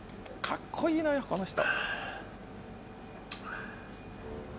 かっこいいのよ、この人。